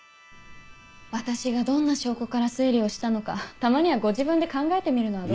私がどんな証拠から推理をしたのかたまにはご自分で考えてみるのは。